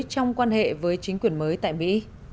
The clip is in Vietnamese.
trong quan hệ với chính quyền mới tại mỹ